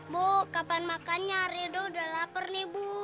bu kapan makan nyari udah laper nih bu